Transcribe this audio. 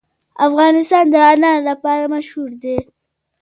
افغانستان د انار لپاره مشهور دی.